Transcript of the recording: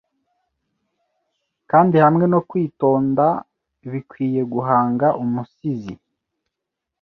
kandihamwe no kwitonda bikwiye guhanga umusizi